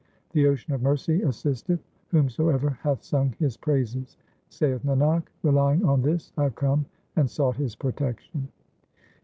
The Ocean of mercy assisteth whomsoever hath sung His praises ; Saith Nanak, relying on this I have come and sought His protection.